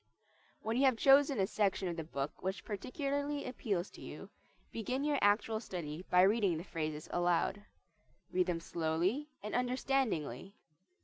When you have chosen a section of the book which particularly appeals to you, begin your actual study by reading the phrases aloud. Read them slowly and understandingly.